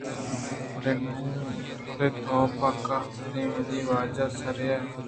بلئے تو پہ کاہءُ کدیم وتی واجہ ءِ سرا ئے